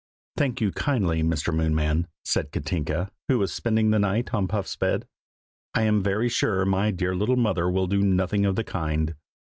"Thank you kindly, Mr. Moonman!" said Katinka, who was spending the night on Puff's bed. "I am very sure my dear little mother will do nothing of the kind.